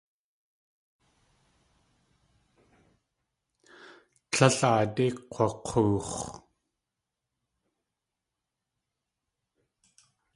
Tlél aadé kg̲wak̲oox̲.